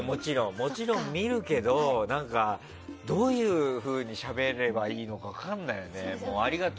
もちろん見るけどどういうふうにしゃべればいいのか分かんないよね。